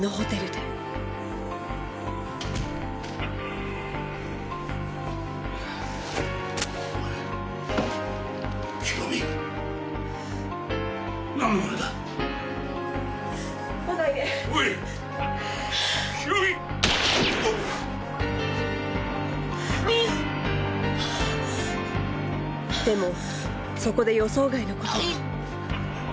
でもそこで予想外のことが。